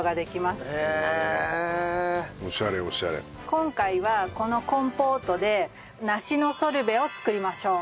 今回はこのコンポートで梨のソルベを作りましょう。